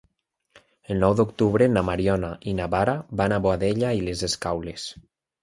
El nou d'octubre na Mariona i na Nara van a Boadella i les Escaules.